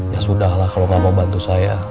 ya sudah lah kalau nggak mau bantu saya